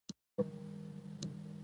د ځمکې لاندې اوبو زیرمې بېرته ډکېږي.